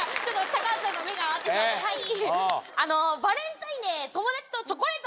高畑さんと目が合ってしまってはい。